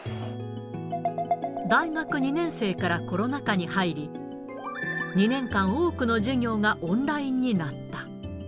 大学２年生からコロナ禍に入り、２年間、多くの授業がオンラインになった。